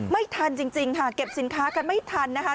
ไม่ทันจริงค่ะเก็บสินค้ากันไม่ทันนะคะ